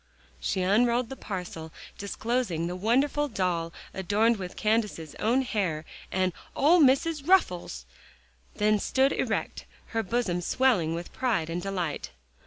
She unrolled the parcel, disclosing the wonderful doll adorned with Candace's own hair, and "Ole Missus' ruffles," then stood erect, her bosom swelling with pride and delight.